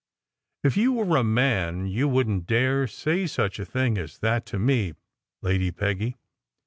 " If you were a man, you wouldn t dare say such a thing as that to me, Lady Peggy."